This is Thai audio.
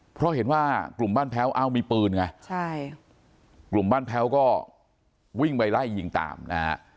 เพราะเห็นว่ากลุ่มบ้านแพ้วเอ้ามีปืนไงใช่กลุ่มบ้านแพ้วก็วิ่งไปไล่ยิงตามนะฮะ